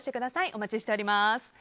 お待ちしております。